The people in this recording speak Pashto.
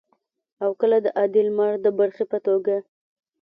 او کله د عادي عمر د برخې په توګه